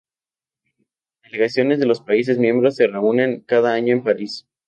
Las delegaciones de los países miembros se reúnen cada año en París.